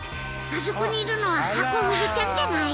あそこにいるのはハコフグちゃんじゃない？